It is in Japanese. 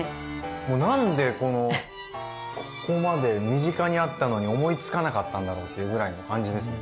何でこのここまで身近にあったのに思いつかなかったんだろうというぐらいの感じですね。